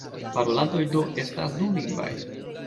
Parolantoj do estas dulingvaj.